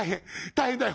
大変だよ！」。